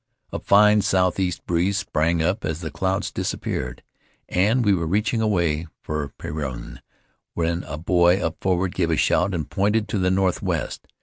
"A fine southeast breeze sprang up as the clouds dispersed, and we were reaching away for Penrhyn when a boy up forward gave a shout and pointed to the northwest.